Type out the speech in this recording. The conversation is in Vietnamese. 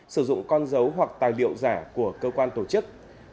sử dụng con dấu hoặc tài liệu giả của cơ quan tổ chức